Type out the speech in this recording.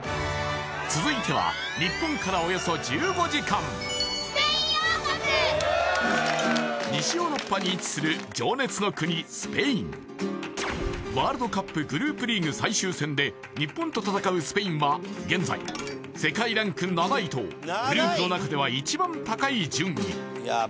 続いては日本からおよそ１５時間西ヨーロッパに位置する情熱の国スペインワールドカップグループリーグ最終戦で日本と戦うスペインは現在世界ランク７位とグループの中では一番高い順位